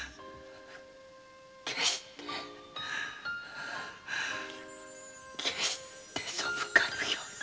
決して決してそむかぬように。